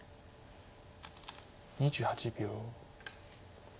２８秒。